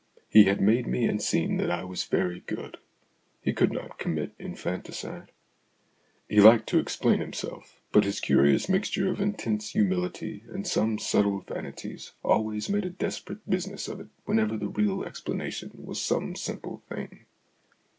He had made me and seen that I was very good. He could not commit infanticide. He liked to explain himself, but his curious mixture of intense humility and some subtle vanities always made a desperate business of it whenever the real explanation was some simple thing.